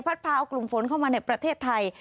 พาเอากลุ่มฝนเข้ามาในประเทศไทย